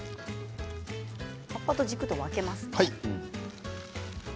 葉っぱと軸と分けますね。